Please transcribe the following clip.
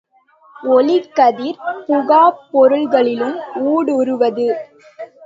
ஒளிக்கதிர் புகாப் பொருள்களிலும் ஊடுருவது.